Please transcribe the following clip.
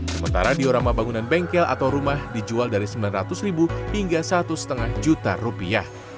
sementara diorama bangunan bengkel atau rumah dijual dari sembilan ratus ribu hingga satu lima juta rupiah